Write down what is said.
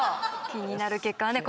気になる結果はね